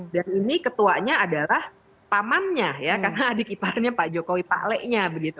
dan ini ketuanya adalah pamannya karena adik iparnya pak jokowi pahle nya